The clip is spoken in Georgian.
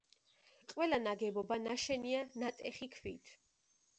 ყველა ნაგებობა ნაშენია ნატეხი ქვით.